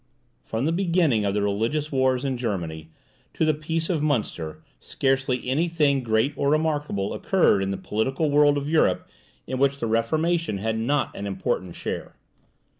From the beginning of the religious wars in Germany, to the peace of Munster, scarcely any thing great or remarkable occurred in the political world of Europe in which the Reformation had not an important share.